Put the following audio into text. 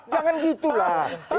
jangan gitu lah